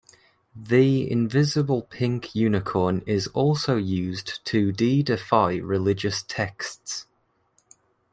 The Invisible Pink Unicorn is also used to de-deify religious texts.